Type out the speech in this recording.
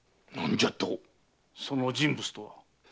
何じゃと⁉その人物とは？